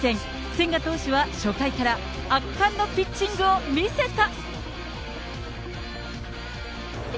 千賀投手は初回から圧巻のピッチングを見せた。